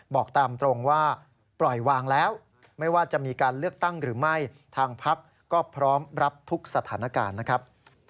บอกตามตรงว่าปล่อยวางแล้วไม่ว่าจะมีการเลือกตั้งหรือไม่ทางพักก็พร้อมรับทุกสถานการณ์นะครับ